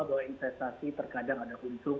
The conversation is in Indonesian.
bahwa investasi terkadang ada unsur